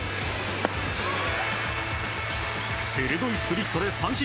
鋭いスプリットで三振。